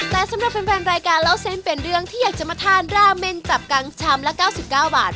แต่สำหรับแฟนรายการเล่าเส้นเป็นเรื่องที่อยากจะมาทานราเมนตับกังชามละ๙๙บาท